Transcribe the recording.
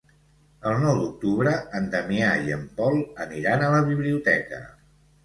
El nou d'octubre en Damià i en Pol aniran a la biblioteca.